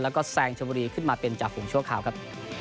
แล้วก็แซงชมบุรีขึ้นมาเป็นจ่าฝูงชั่วคราวครับ